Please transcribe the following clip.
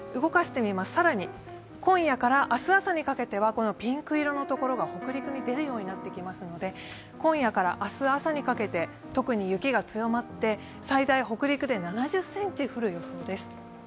更に今夜から明日朝にかけてはピンク色のところが北陸に出るようになってきますので今夜から明日朝にかけて、特に雪が強まって最大北陸で７０ｃｍ降る予想です。